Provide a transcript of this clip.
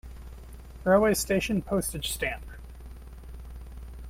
Railway station Postage stamp.